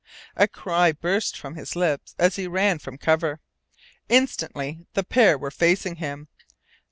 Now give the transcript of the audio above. A cry burst from his lips as he ran from cover. Instantly the pair were facing him.